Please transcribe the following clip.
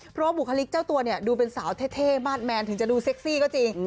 เพราะว่าบุคลิกเจ้าตัวเนี่ยดูเป็นสาวเท่มาสแมนถึงจะดูเซ็กซี่ก็จริง